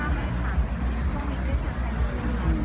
ช่วงนี้ได้เจอใครนี่